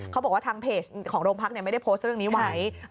เขาบอกว่าทางเพจของโรงพักไม่ได้โพสต์เรื่องนี้ไว้